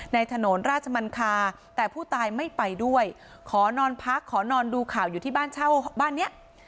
ถนนราชมันคาแต่ผู้ตายไม่ไปด้วยขอนอนพักขอนอนดูข่าวอยู่ที่บ้านเช่าบ้านเนี้ย